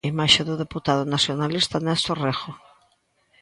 Imaxe do deputado nacionalista Néstor Rego.